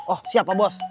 oh siap pak bos